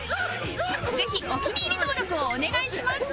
ぜひお気に入り登録をお願いします